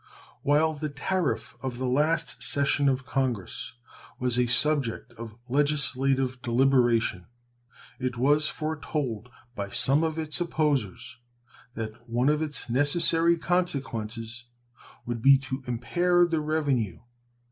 While the tariff of the last session of Congress was a subject of legislative deliberation it was foretold by some of its opposers that one of its necessary consequences would be to impair the revenue.